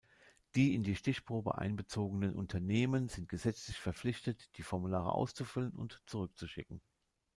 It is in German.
Die in die Stichprobe einbezogenen Unternehmen sind gesetzlich verpflichtet, die Formulare auszufüllen und zurückzuschicken.